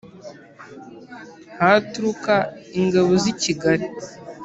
haturuka ingabo z'i kigali,